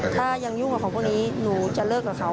ถ้ายังยุ่งกับเขาพวกนี้หนูจะเลิกกับเขา